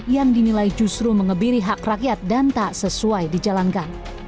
yang dinilai justru mengebiri hak rakyat dan tak sesuai dijalankan